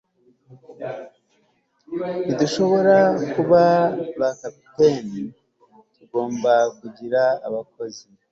ntidushobora kuba ba capitaine, tugomba kugira abakozi